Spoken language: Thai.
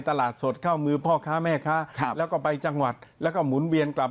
ถูกต้องครับ